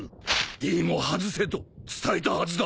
「Ｄ」も外せと伝えたはずだ！